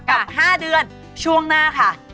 กับ๕เดือนช่วงหน้าค่ะ